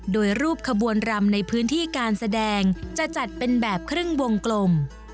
โดยรูปขบวนรำในพื้นที่การแสดงจะจัดเป็นแบบครึ่งวงกลม